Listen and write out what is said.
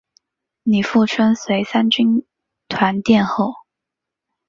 李富春随三军团殿后。